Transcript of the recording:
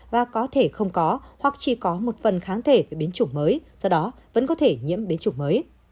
và có thể không có hoặc chỉ có một phần kháng thể về biến chủng mới do đó vẫn có thể nhiễm biến chủng mới